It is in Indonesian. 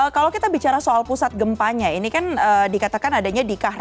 kalau kita bicara soal pusat gempanya ini kan dikatakan adanya di kahra